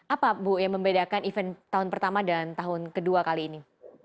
apa bu yang membedakan event tahun pertama dan tahun kedua kali ini